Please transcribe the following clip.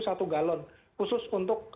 satu galon khusus untuk